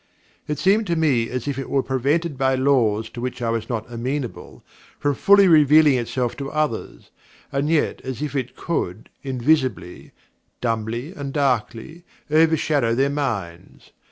It seemed to me as if it were prevented by laws to which I was not amenable, from fully revealing itself to others, and yet as if it could, invisibly, dumbly and darkly, overshadow their minds.